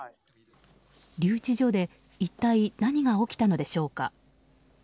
留置所で一体何が起きたのでしょうか。